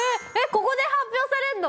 ここで発表されんの？